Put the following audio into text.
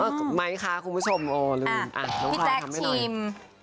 เออไหมคะคุณผู้ชมอ๋อลืมอ่ะน้องพลอยทำให้หน่อยพี่แจ๊งชิม